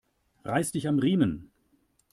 Reiß dich am Riemen!